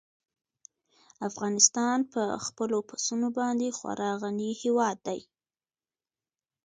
افغانستان په خپلو پسونو باندې خورا غني هېواد دی.